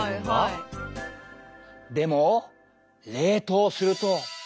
でも冷凍すると。